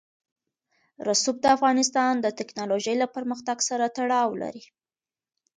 رسوب د افغانستان د تکنالوژۍ له پرمختګ سره تړاو لري.